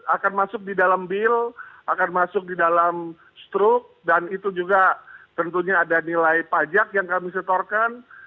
akan masuk di dalam bil akan masuk di dalam struk dan itu juga tentunya ada nilai pajak yang kami setorkan